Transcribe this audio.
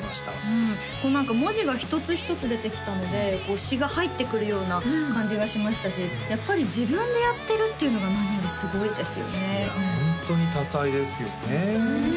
うんこう何か文字が一つ一つ出てきたので詞が入ってくるような感じがしましたしやっぱり自分でやってるっていうのが何よりすごいですよねいやホントに多才ですよねねえ